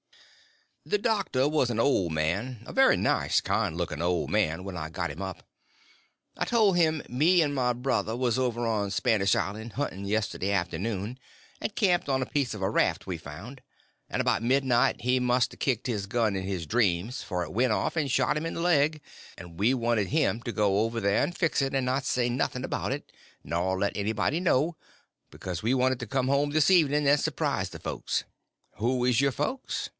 The doctor was an old man; a very nice, kind looking old man when I got him up. I told him me and my brother was over on Spanish Island hunting yesterday afternoon, and camped on a piece of a raft we found, and about midnight he must a kicked his gun in his dreams, for it went off and shot him in the leg, and we wanted him to go over there and fix it and not say nothing about it, nor let anybody know, because we wanted to come home this evening and surprise the folks. "Who is your folks?"